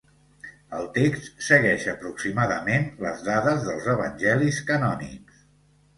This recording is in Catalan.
El text segueix aproximadament les dades dels evangelis canònics.